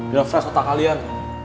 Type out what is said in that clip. biar fresh otak kalian